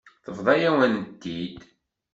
Tebḍa-yawen-t-id.